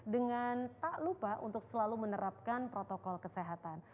dengan tak lupa untuk selalu menerapkan protokol kesehatan